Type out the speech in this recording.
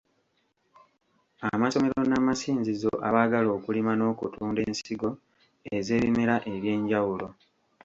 Amasomero n’amasinzizo abaagala okulima n’okutunda ensigo ez’ebimera eby’enjawulo.